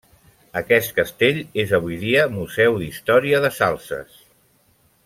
Aquest castell és avui dia Museu d'Història de Salses.